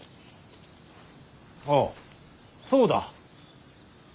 ああそうだ。